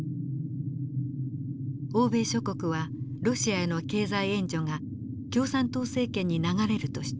欧米諸国はロシアへの経済援助が共産党政権に流れると主張。